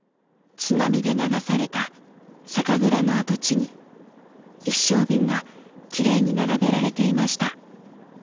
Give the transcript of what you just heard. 津波で流された酒蔵の跡地に一升瓶がきれいに並べられていました。